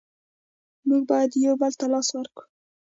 موږ باید یو بل ته لاس ورکړو.